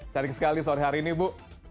menarik sekali sore hari ini bu